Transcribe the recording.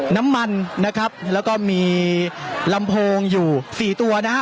น้ำมันนะครับแล้วก็มีลำโพงอยู่สี่ตัวนะฮะ